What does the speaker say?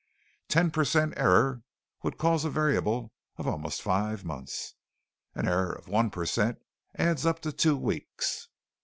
Ten percent error would cause a variable of almost five months; an error of one percent adds up to two weeks.